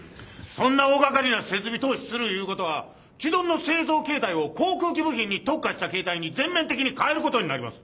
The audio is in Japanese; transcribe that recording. そんな大がかりな設備投資するいうことは既存の製造形態を航空機部品に特化した形態に全面的に変えることになります。